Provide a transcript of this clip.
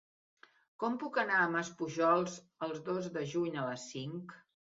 Com puc anar a Maspujols el dos de juny a les cinc?